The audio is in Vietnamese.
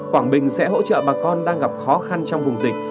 quảng bình sẽ hỗ trợ bà con đang gặp khó khăn trong vùng dịch